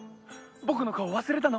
僕の顔忘れたの？